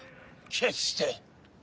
決して。